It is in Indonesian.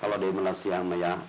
kalau dari malaysia mah ya